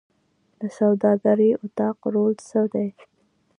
د سوداګرۍ اتاق رول څه دی؟